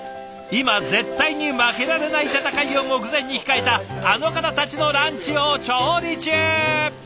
今絶対に負けられない戦いを目前に控えたあの方たちのランチを調理中。